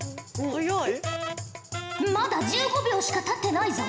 まだ１５秒しかたってないぞ。